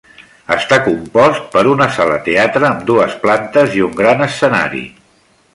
Està compost per una sala teatre amb dues plantes i un gran escenari.